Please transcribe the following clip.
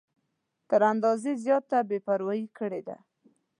تر اندازې زیاته بې پروايي کړې ده.